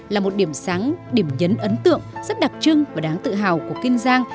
là một điểm sáng điểm nhấn ấn tượng rất đặc trưng và đáng tự hào của kiên giang